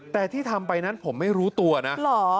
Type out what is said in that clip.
แต่ที่ทำไปนั้นผมไม่รู้ตัวนะ